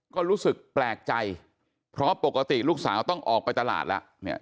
ก็รู้สึกแปลกใจเพราะปกติลูกสาวต้องออกไปตลาดแล้วเนี่ย